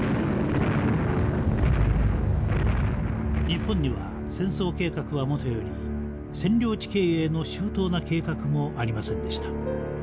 日本には戦争計画はもとより占領地経営の周到な計画もありませんでした。